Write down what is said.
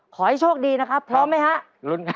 ขอให้โชคดีนะครับพร้อมไหมฮะ